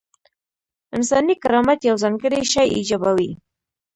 انساني کرامت یو ځانګړی شی ایجابوي.